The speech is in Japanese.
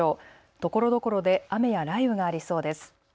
ところどころで雨や雷雨がありそうです。